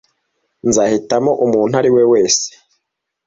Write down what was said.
Nzahitamo umuntu ari we wese.